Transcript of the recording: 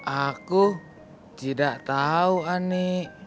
aku tidak tahu ani